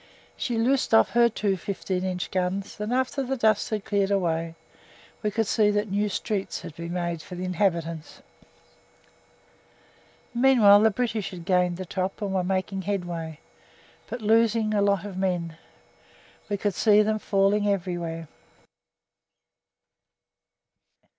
She loosed off her two fifteen inch guns, and after the dust had cleared away we could see that new streets had been made for the inhabitants. Meanwhile the British had gained the top and were making headway, but losing a lot of men one could see them falling everywhere.